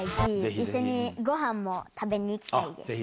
一緒にごはんも食べに行きたぜひぜひ。